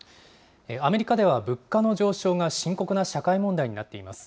アメリカでは物価の上昇が深刻な社会問題になっています。